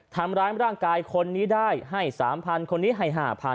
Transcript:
ทำร้ายร่างกายคนนี้ได้ให้๓๐๐คนนี้ให้๕๐๐